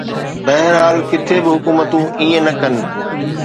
بهرحال، ڪٿي به حڪومتون ائين نه ڪن